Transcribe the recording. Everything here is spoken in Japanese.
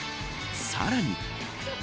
さらに。